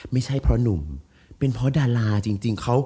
ไม่ใช่เพราะหนุ่มเป็นเพราะดาราจริงเขา